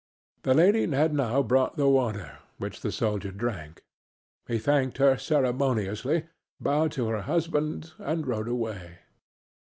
The lady had now brought the water, which the soldier drank. He thanked her ceremoniously, bowed to her husband and rode away.